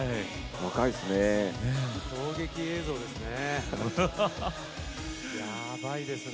若いですね。